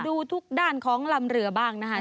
ดูทุกด้านของลำเรือบ้างนะครับ